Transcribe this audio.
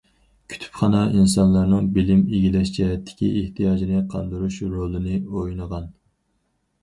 كۇتۇپخانا ئىنسانلارنىڭ بىلىم ئىگىلەش جەھەتتىكى ئېھتىياجىنى قاندۇرۇش رولىنى ئوينىغان.